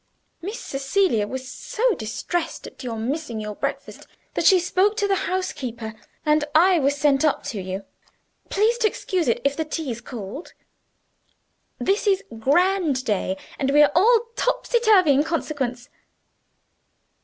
Miss Cecilia was so distressed at your missing your breakfast that she spoke to the housekeeper, and I was sent up to you. Please to excuse it if the tea's cold. This is Grand Day, and we are all topsy turvy in consequence."